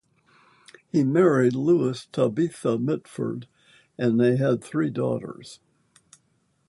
He married Lewis Tabitha Mitford and they had three daughters.